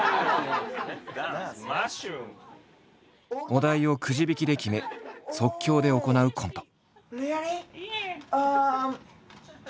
お題をくじ引きで決め即興で行うコント。